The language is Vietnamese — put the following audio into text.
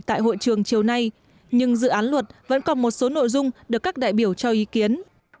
tại hội trường chiều nay nhưng dự án luật vẫn còn một số nội dung được các đại biểu cho ý kiến